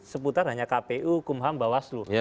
seputar hanya kpu kumham bawaslu